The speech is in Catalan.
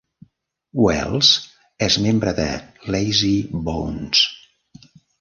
Wells és membre de Lazybones.